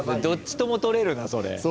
どっちともとれるなそれ。